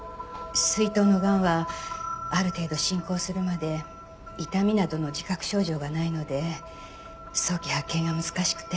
膵頭のがんはある程度進行するまで痛みなどの自覚症状がないので早期発見が難しくて。